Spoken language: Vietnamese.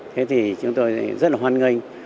thế thì chúng tôi rất là hoan nghênh